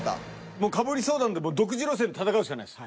もうかぶりそうなんで独自路線で戦うしかないです。